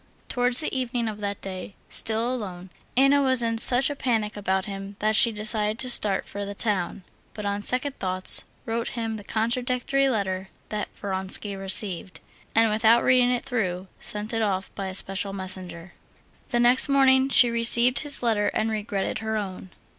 Towards the evening of that day, still alone, Anna was in such a panic about him that she decided to start for the town, but on second thoughts wrote him the contradictory letter that Vronsky received, and without reading it through, sent it off by a special messenger. The next morning she received his letter and regretted her own.